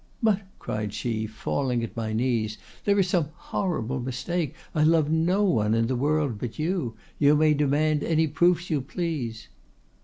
'—'But,' cried she, falling at my knees, 'there is some horrible mistake; I love no one in the world but you; you may demand any proofs you please.